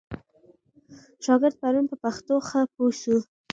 شاګرد پرون په پښتو ښه پوه سو.